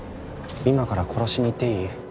今から殺しに行っていい？